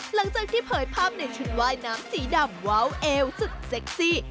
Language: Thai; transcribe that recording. หลังจากที่เผยภาพในชุดว่ายน้ำสีดำเว้าเอวสุดเซ็กซี่